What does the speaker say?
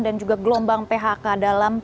dan juga gelombang phk dalam